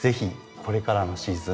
これからのシーズン